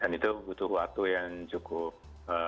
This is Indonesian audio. dan itu butuh waktu yang cukup